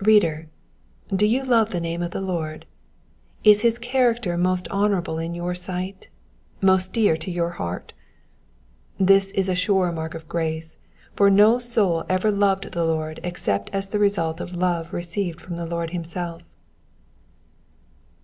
Reader, do you love the name of the Lord ? Is his character most honour able in your sight ? mo8t dear to your heart V This is a sure mark of grace, for no soul ever loved the Lord except as the result of love received from the Lord himself.